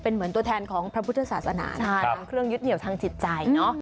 เป็นเหมือนตัวแทนของพระพุทธศาสนาใช่เป็นเครื่องยึดเหนียวทางจิตใจเนอะ